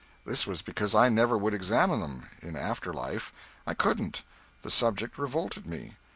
This was because I never would examine them, in after life. I couldn't. The subject revolted me.